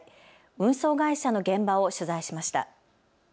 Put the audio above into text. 運送会社の現場を取材しました。